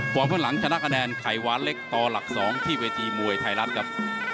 ข้างหลังชนะคะแนนไข่หวานเล็กต่อหลัก๒ที่เวทีมวยไทยรัฐครับ